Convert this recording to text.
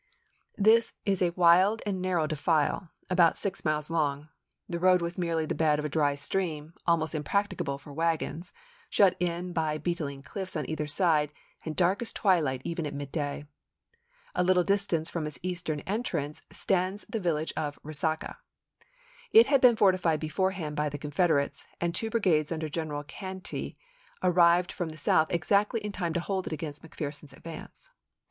This is a wild and narrow defile, about six 1864. miles long ; the road was merely the bed of a dry stream, almost impracticable for wagons, shut in by beetling cliffs on either side, and dark as twilight even at midday. A little distance from its eastern 12 ABEAHAM LINCOLN chap. i. entrance stands the village of Resaca. It had been fortified beforehand by the Confederates, and two brigades under General Cantey had arrived from the South exactly in time to hold it against McPherson's advance.